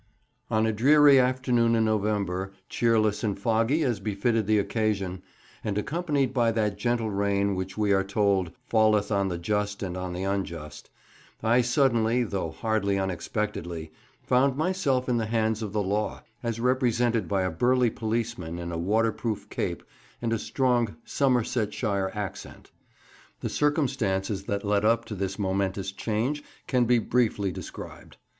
ON a dreary afternoon in November, cheerless and foggy as befitted the occasion, and accompanied by that gentle rain which we are told "falleth on the just and on the unjust," I suddenly, though hardly unexpectedly, found myself in the hands of the law, as represented by a burly policeman in a waterproof cape and a strong Somersetshire accent. The circumstances that led up to this momentous change can be briefly described.